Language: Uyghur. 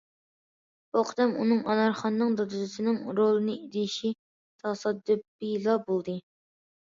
بۇ قېتىم ئۇنىڭ ئانارخاننىڭ دادىسىنىڭ رولىنى ئېلىشى تاسادىپىيلا بولدى.